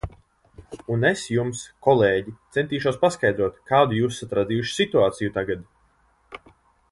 Un es jums, kolēģi, centīšos paskaidrot, kādu jūs esat radījuši situāciju tagad.